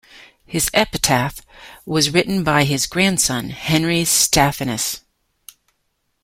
His epitaph was written by his grandson Henry Stephanus.